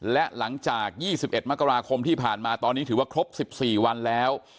และหลังจาก๒๑มกราคมที่ผ่านมาตอนนี้ถือว่าครบ๑๔วันแล้ว